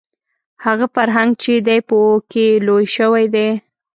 هغه فرهنګ چې دی په کې لوی شوی دی